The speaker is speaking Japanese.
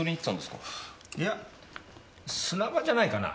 いや砂場じゃないかな。